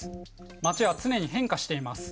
街は常に変化しています。